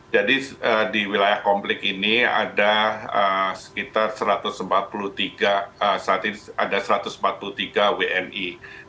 jadi di wilayah konflik ini ada sekitar satu ratus empat puluh tiga wni